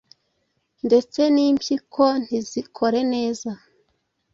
ndetse n’ impyiko ntizikore neza